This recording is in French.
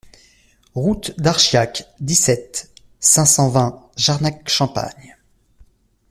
Route d'Archiac, dix-sept, cinq cent vingt Jarnac-Champagne